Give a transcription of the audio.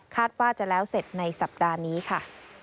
ว่าจะแล้วเสร็จในสัปดาห์นี้ค่ะ